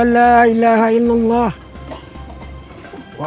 allahu akbar allahu akbar allahu akbar